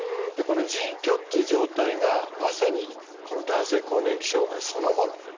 でこの腎虚っていう状態がまさにこの男性更年期障害そのもの